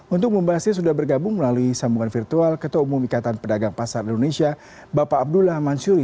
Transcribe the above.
untuk membahasnya sudah bergabung melalui sambungan virtual ketua umum ikatan pedagang pasar indonesia bapak abdullah mansuli